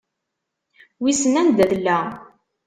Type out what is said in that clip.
Wissen anda tella.